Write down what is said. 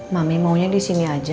mami maunya di sini aja